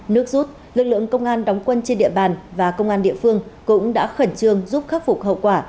nước rút lực lượng công an đóng quân trên địa bàn và công an địa phương cũng đã khẩn trương giúp khắc phục hậu quả